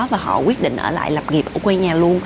và họ quyết định ở lại lập nghiệp ở quê nhà luôn